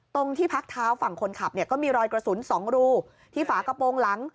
ที่พักเท้าฝั่งคนขับเนี่ยก็มีรอยกระสุน๒รูที่ฝากระโปรงหลัง